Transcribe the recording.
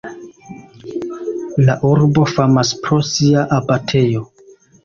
La urbo famas pro sia abatejo.